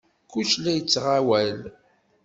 Kullec la yettɣawal.